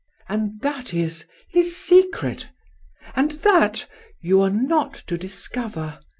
And that is "" His secret. And that "" You are not to discover!